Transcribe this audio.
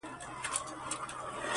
تا ولي په سوالونو کي سوالونه لټوله ،